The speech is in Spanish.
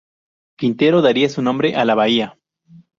Quintero daría su nombre a la bahía.